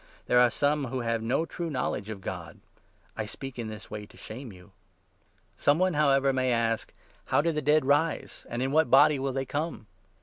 There are some who have no true knowledge of God. I speak in this way to shame you. Some one, however, may ask ' How do the dead rise ? and in what body will they come